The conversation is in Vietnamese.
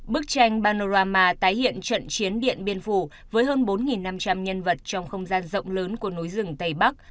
bức tranh panorama tái hiện trận chiến điện biên phủ với hơn bốn năm trăm linh nhân vật trong không gian rộng lớn của núi rừng tây bắc